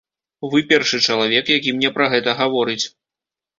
Вы першы чалавек, які мне пра гэта гаворыць.